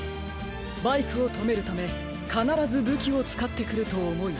バイクをとめるためかならずぶきをつかってくるとおもい。